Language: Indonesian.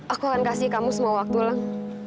aku akan kasih kamu semua waktu leng